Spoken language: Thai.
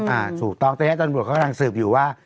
อ่าถูกต้องแต่แน่ตอนบุหรษเขากำลังสืบอยู่ว่า